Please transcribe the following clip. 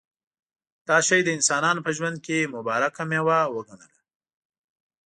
دا شی د انسانانو په ژوند کې مبارکه مېوه وګڼله.